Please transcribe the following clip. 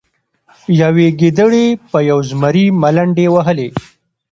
یوې ګیدړې په یو زمري ملنډې وهلې.